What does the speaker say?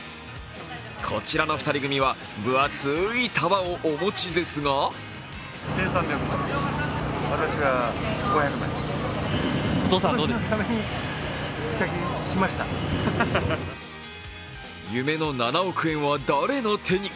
こちらの２人組は分厚い束をお持ちですが夢の７億円は誰の手に？